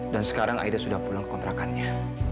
dan sekarang aida sudah pulang ke kontrakannya